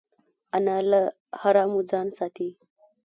انا له حرامو ځان ساتي